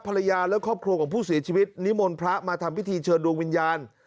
ภรรยาและครอบครัวของผู้เสียชีวิตนิมนต์พระมาทำพิธีเชิญดวงวิญญาณ